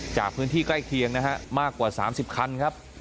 จากพื้นที่ใกล้เคียงนะฮะมากกว่า๓๐คันครับ